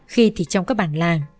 khi thì trong các bản làng